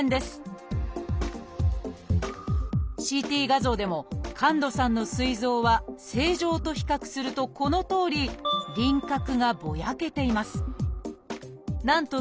ＣＴ画像でも神門さんのすい臓は正常と比較するとこのとおり輪郭がぼやけています。